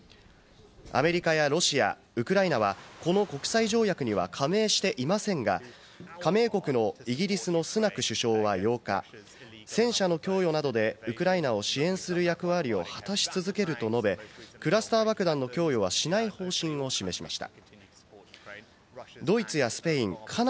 アメリカやロシア、ウクライナは、この国際条約には加盟していませんが、加盟国のイギリスのスナク首相は８日、戦車の供与などでウクライナを支援する役割を果たし続けると述べ、クラスター爆弾の供与はしない方針を示しました。